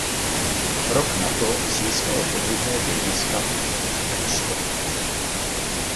Rok nato získalo podruhé Davis Cup Rusko.